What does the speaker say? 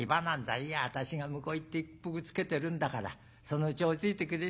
いや私が向こう行って一服つけてるんだからそのうち追いついてくれりゃいい。